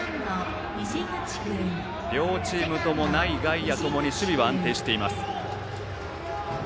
両チームとも内外野共に守備は安定しています。